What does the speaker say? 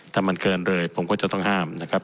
ถ้ามันเกินเลยผมก็จะต้องห้ามนะครับ